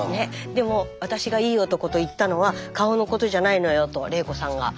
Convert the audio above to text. でも私がいい男と言ったのは顔のことじゃないのよと玲子さんが。